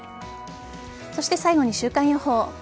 そして最後に週間予報。